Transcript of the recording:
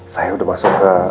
saya udah masuk ke